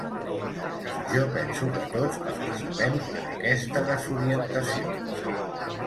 Jo penso que tots participem en aquesta desorientació.